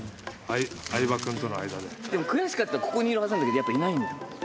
でも悔しかったらここにいるはずなんだけどいないんだ。